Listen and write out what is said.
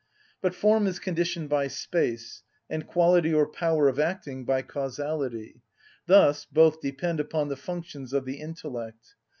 But form is conditioned by space, and quality or power of acting by causality; thus both depend upon the functions of the intellect.